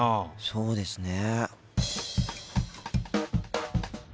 そうですね。